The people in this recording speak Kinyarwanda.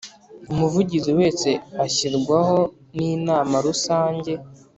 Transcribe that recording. Umuvugizi wese ashyirwaho n Inama Rusange